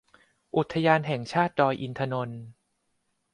อุทยานแห่งชาติดอยอินทนนท์